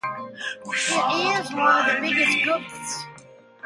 It is one of the biggest govt.